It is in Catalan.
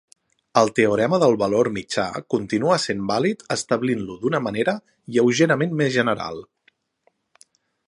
El teorema del valor mitjà continua sent vàlid establint-lo d'una manera lleugerament més general.